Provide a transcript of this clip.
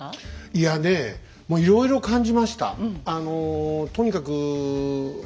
いやねえもういろいろ感じました。